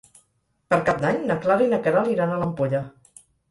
Per Cap d'Any na Clara i na Queralt iran a l'Ampolla.